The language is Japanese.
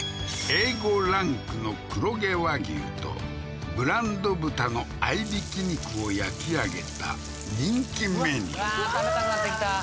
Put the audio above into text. Ａ５ランクの黒毛和牛とブランド豚の合いびき肉を焼き上げた人気メニューうわー